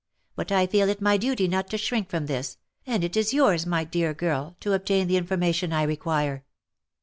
But I feel it my duty not to shrink from this, and it is yours, my dear girl, to obtain the information I require."